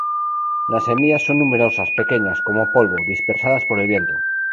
La semillas son numerosas, pequeñas, como polvo, dispersadas por el viento.